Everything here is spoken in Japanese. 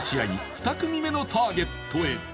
２組目のターゲットへ